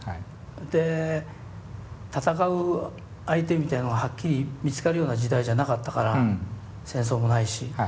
で戦う相手みたいなのがはっきり見つかるような時代じゃなかったから戦争もないし。